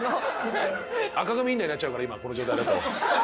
赤紙みたいになっちゃうから今この状態だと。